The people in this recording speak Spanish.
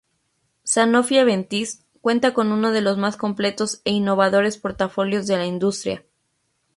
Sanofi-Aventis cuenta con uno de los más completos e innovadores portafolios de la industria.